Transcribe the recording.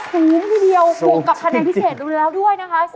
คะแนนสูงทีเดียวและคะแนนพิเศษรู้นึงแล้วด้วยนะคะ